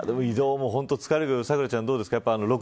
移動も疲れるけど咲楽ちゃん、どうですか。